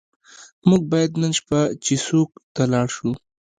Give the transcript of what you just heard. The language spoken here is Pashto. موږ باید نن شپه چیسوک ته لاړ شو.